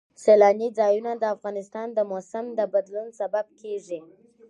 سیلاني ځایونه د افغانستان د موسم د بدلون سبب کېږي.